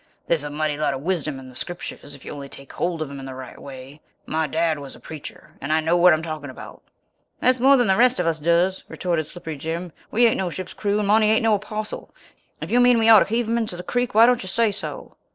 There's a mighty lot of wisdom in the Scriptures if you only take hold of 'em in the right way. My dad was a preacher, and I know what I'm talking about." "That's more than the rest of us does," retorted Slippery Jim. "We ain't no ship's crew and Monty ain't no apostle. If you mean we ought to heave him into the creek, why don't you say so?"